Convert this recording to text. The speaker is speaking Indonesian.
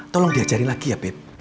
tolong diajarin lagi ya beb